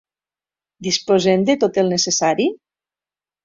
Disposem de tot el necessari?